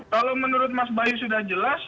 kalau menurut mas bayu sudah jelas